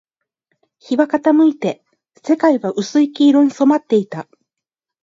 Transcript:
日は傾いて、世界は薄い黄色に染まっていた